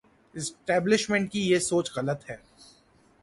Establishment کی یہ سوچ غلط ہے۔